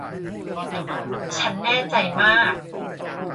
ฉันแน่ใจมาก